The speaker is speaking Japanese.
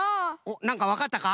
なんかわかったか？